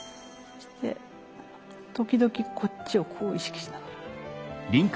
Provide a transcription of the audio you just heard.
そして時々こっちをこう意識しながら。